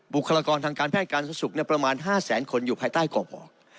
บุคลากรทางการแพทย์การสุขประมาณ๕แสนคนอยู่ภายใต้ก่อบอก